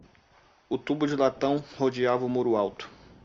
O tubo de latão rodeava o muro alto.